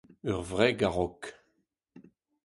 Ur wreg a-raok.